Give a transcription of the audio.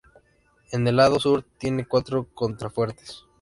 En el lado sur tiene cuatro contrafuertes.